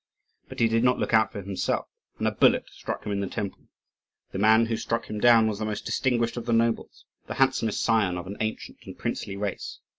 But he did not look out for himself, and a bullet struck him on the temple. The man who struck him down was the most distinguished of the nobles, the handsomest scion of an ancient and princely race.